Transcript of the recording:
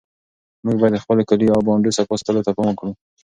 موږ باید د خپلو کلیو او بانډو صفا ساتلو ته پام وکړو.